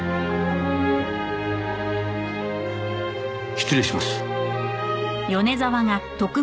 失礼します。